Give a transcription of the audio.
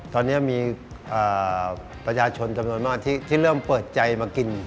ตอนนี้มีประชาชนจำนวนมากที่เริ่มเปิดใจมากิน